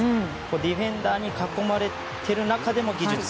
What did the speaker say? ディフェンダーに囲まれている中での技術。